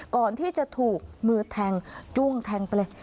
ก่อนที่จะถูกมือแทงจ้วงแทงไปเลย